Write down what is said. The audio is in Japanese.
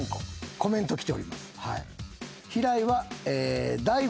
コメントきております。